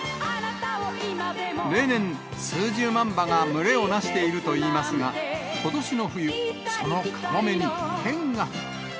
例年、数十万羽が群れをなしているといいますが、ことしの冬、そのカモメに異変が。